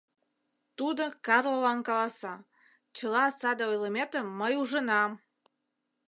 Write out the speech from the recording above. Тудо Карлалан каласа: чыла саде ойлыметым мый ужынам!